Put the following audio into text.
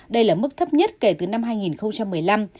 đây là mức thấp nhất kể từ năm hai nghìn một mươi năm